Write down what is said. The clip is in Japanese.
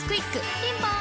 ピンポーン